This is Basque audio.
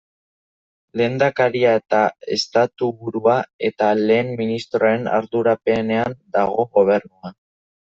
Lehendakaria da estatuburua, eta lehen ministroaren ardurapean dago gobernua.